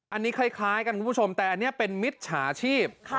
อันนี้คล้ายกันคุณผู้ชมแต่อันนี้เป็นมิจฉาชีพ